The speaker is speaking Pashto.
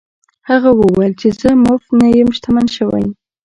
هغه وویل چې زه مفت نه یم شتمن شوی.